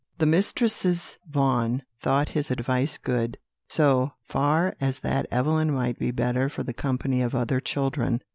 "The Mistresses Vaughan thought his advice good, so far as that Evelyn might be the better for the company of other children.